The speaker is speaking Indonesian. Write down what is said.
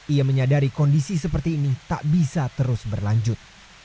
ia menyadari kondisi seperti ini tak bisa terus berlanjut